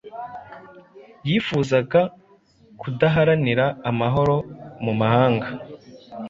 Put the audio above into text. Yifuzaga kudaharanira amahoro mu mahanga